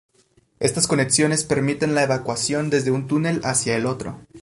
Estas conexiones permiten la evacuación desde un túnel hacia el otro.